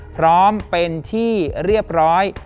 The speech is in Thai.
พร้อมเป็นที่เรียบร้อย